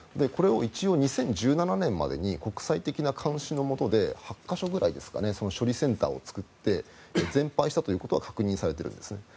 これを一応２０１７年までに国際的な監視のもとで８か所くらい処理センターを作って全廃したということは確認されているんですね。